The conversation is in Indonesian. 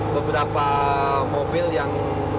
beberapa mobil yang